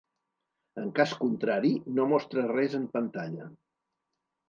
En cas contrari no mostra res en pantalla.